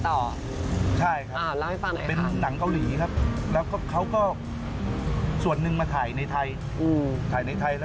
โอเดี๋ยวก็กลับมาแน่นอน